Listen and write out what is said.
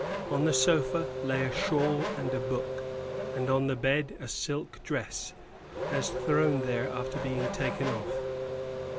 On the sofa lay a shawl and a book, and on the bed a silk dress, as thrown there after being taken off.